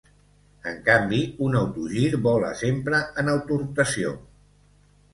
En canvi, un autogir vola sempre en autorotació.